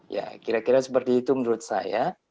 ya kira kira seperti itu menurut saya